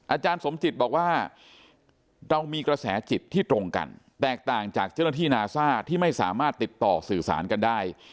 อาจารย์สมจิตบอกว่าเรามีกระแสจิตที่ตรงกันแตกต่างจากเจ้าหน้าที่นาซ่าที่ไม่สามารถติดต่อสื่อสารกันได้